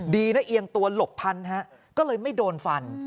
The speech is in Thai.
ดีนะเอียงตัวหลบทันฮะก็เลยไม่โดนฟัน